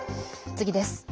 次です。